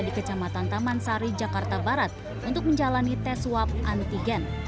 di kecamatan taman sari jakarta barat untuk menjalani tes swab antigen